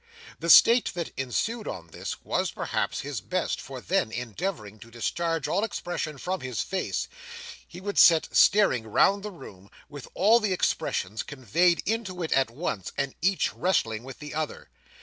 The state that ensued on this, was, perhaps, his best; for then, endeavouring to discharge all expression from his face, he would sit staring round the room, with all these expressions conveyed into it at once, and each wrestling with the other.